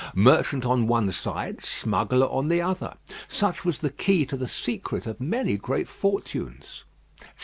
Merchant on one side, smuggler on the other; such was the key to the secret of many great fortunes.